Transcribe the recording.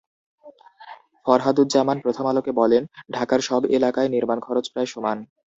ফরহাদুজ্জামান প্রথম আলোকে বলেন, ঢাকার সব এলাকায় নির্মাণ খরচ প্রায় সমান।